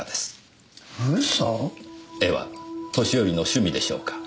絵は年寄りの趣味でしょうか？